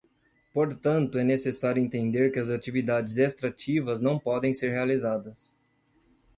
Portanto, é necessário entender que as atividades extrativas não podem ser realizadas.